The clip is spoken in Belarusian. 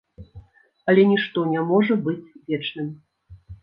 Але нішто не можа быць вечным.